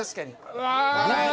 うわ。